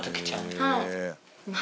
はい。